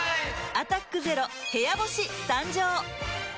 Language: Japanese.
「アタックＺＥＲＯ部屋干し」誕生！